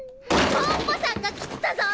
ポンポさんがきったぞ！